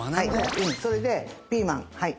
それでピーマンはい。